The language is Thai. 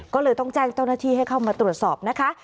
ก็เลยต้องแจ้งเจ้าหน้าที่ให้เข้ามาตรวจสอบนะคะ